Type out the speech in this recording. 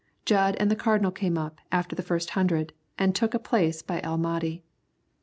Jud and the Cardinal came up after the first hundred, and took a place by El Mahdi.